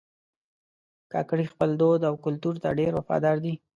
کاکړي خپل دود او کلتور ته ډېر وفادار دي.